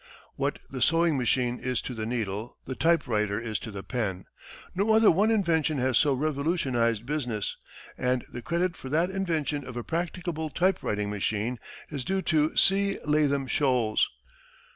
What the sewing machine is to the needle, the typewriter is to the pen. No other one invention has so revolutionized business, and the credit for the invention of a practicable typewriting machine is due to C. Latham Sholes.